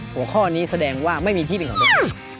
หัวข้อนี้แสดงว่าไม่มีที่เป็นสำเร็จ